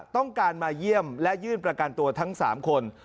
ต้องการมาเยี่ยมและยื่นประกันตัวทั้ง๓คน